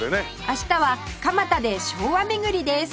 明日は蒲田で昭和巡りです